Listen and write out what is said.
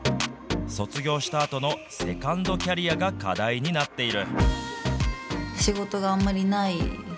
卒業したあとのセカンドキャリアが課題になっている。